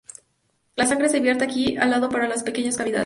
La sangre se vierte aquí al lado para las pequeñas cavidades.